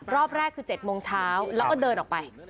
รอบแรกคือ๗โมงเช้าแล้วก็เดินออกไป